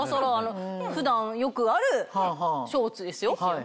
普段よくあるショーツですよ。